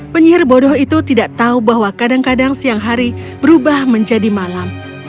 penyihir bodoh itu tidak tahu bahwa kadang kadang siang hari berubah menjadi malam